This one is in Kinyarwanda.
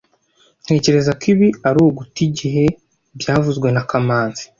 Ntekereza ko ibi ari uguta igihe byavuzwe na kamanzi